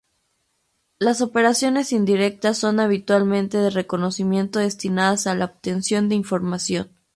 Las operaciones indirectas son habitualmente de reconocimiento, destinadas a la obtención de información.